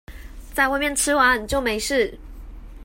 在外面吃完就沒事